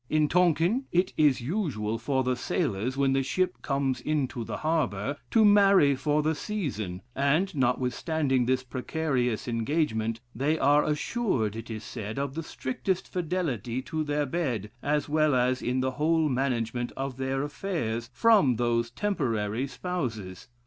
In Tonquin, it is usual for the sailors, when the ship comes into the harbor, to marry for the season; and, notwithstanding this precarious engagement, they are assured, it is said, of the strictest fidelity to their bed, as well as in the whole management of their affairs, from those temporary spouses.